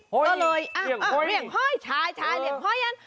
ก็เลยเลี่ยงห้อยใช่เลี่ยงห้อยอัน